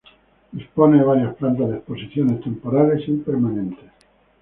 Dispone de varias plantas de exposiciones temporales y permanentes.